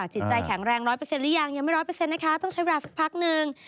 จิตใจแข็งแรงร้อยเปอร์เซ็นต์หรือยังยังไม่ร้อยเปอร์เซ็นต์นะคะต้องใช้เวลาสักพักนึง